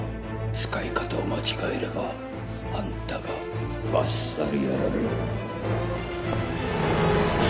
使い方を間違えればあんたがバッサリやられる。